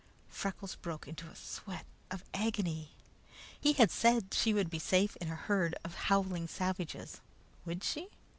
Freckles broke into a sweat of agony. He had said she would be safe in a herd of howling savages. Would she?